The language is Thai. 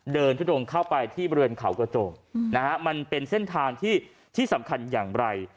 เดินทุดงเข้าไปที่บริเวณเขากระโจมนะฮะมันเป็นเส้นทางที่สำคัญอย่างไร